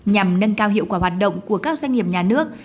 nhằm nâng cao hiệu quả hoạt động của các doanh nghiệp nhà nước